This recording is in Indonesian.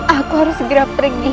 aku harus segera pergi